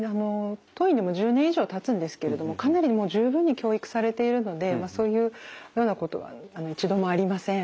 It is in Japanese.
当院でも１０年以上たつんですけれどもかなり十分に教育されているのでそういうようなことは一度もありません。